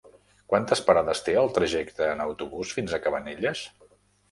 Quantes parades té el trajecte en autobús fins a Cabanelles?